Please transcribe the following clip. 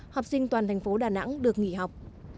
học sinh toàn thành phố đà nẵng được nghỉ học